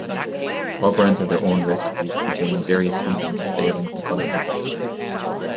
All brands have their own recipes containing various sweeteners, flavourings, and colourings.